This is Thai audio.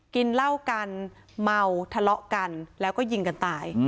กินเหล้ากันเมาทะเลาะกันแล้วก็ยิงกันตาย